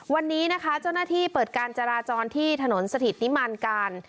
วันนี้นะคะเจ้าหน้าที่เปิดการจราจรที่ถนนสถิตนิมันการ